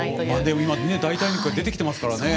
でも今ね代替肉が出てきてますからね。